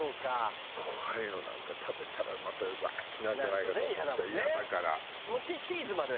なんか食べたらまたうわーってなるんじゃないかと思ってイヤだから。